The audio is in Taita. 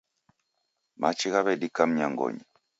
Machi ghaw'edika mnyangonyi.